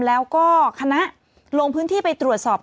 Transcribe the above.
แล้วก็คณะลงพื้นที่ไปตรวจสอบ